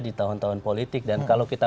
di tahun tahun politik dan kalau kita